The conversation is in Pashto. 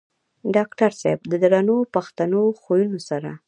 ډاکټر صېب د درنو پښتنو خويونو سره